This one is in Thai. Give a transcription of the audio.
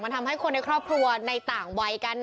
ทำให้คนในครอบครัวในต่างวัยกัน